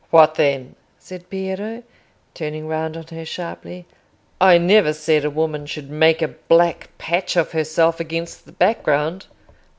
"What then?" said Piero, turning round on her sharply. "I never said a woman should make a black patch of herself against the background.